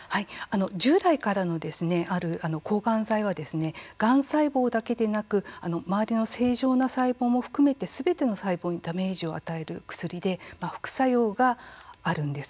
従来からある抗がん剤はがん細胞だけでなく周りの正常な細胞も含めてすべての細胞にダメージを与える薬で副作用があるんです。